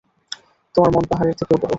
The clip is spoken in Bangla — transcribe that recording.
তোমার মন পাহাড়ের থেকেও বড়।